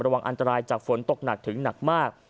วางอันตรายจากฝนตกหนักถึงหนักมาก